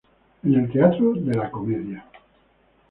En el Teatro de la Comedia.